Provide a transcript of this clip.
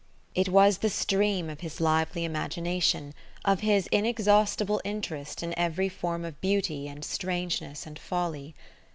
It was the stream of his lively imagination, of his inexhaustible interest in every form of beauty and strangeness and folly.